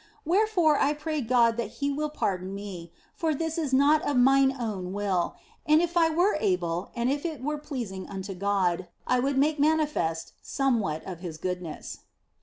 Wherefore I pray God that He will pardon me, for this is not of mine own will, and if I were able and if it were pleasing unto God, I would make mani fest somewhat of His goodness.